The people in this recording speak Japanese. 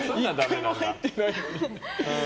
１回も入ってないのに。